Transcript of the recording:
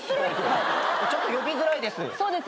ちょっと呼びづらいです。